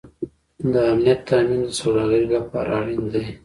د امنیت تامین د سوداګرۍ لپاره اړین دی